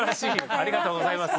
ありがとうございます。